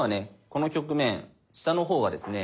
この局面下の方はですね